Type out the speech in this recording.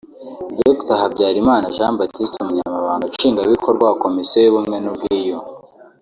Dr Habyarimana Jean Baptiste Umunyamabanga Nshingwabikrwa wa Komisiyo y’ubumwe n’ubwiyunge